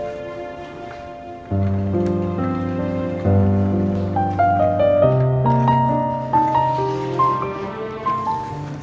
saya minta permisi dulu ya pak